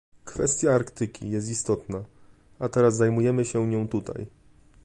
Kwestia Arktyki jest istotna, a teraz zajmujemy się nią tutaj